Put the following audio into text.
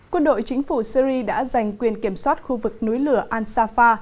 quân đội chính phủ syri đã giành quyền kiểm soát khu vực núi lửa ansafa